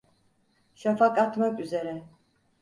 Şafak atmak üzere…